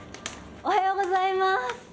おはようございます。